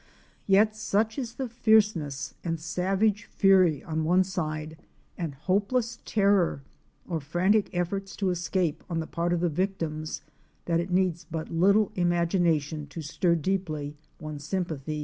Yet such is the fierceness and savage fury on one side and hopeless terror or frantic efforts to escape on the part of the victims that it needs but little imagination to stir deeply one's sym pathies.